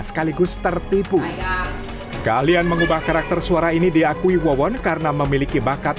sekaligus tertipu keahlian mengubah karakter suara ini diakui wawon karena memiliki bakat